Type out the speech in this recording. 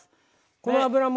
この脂も。